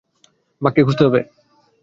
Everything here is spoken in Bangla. বাককে খুঁজতে হবে।